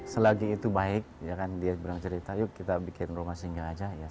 selagi itu baik dia bilang cerita yuk kita bikin rumah singga saja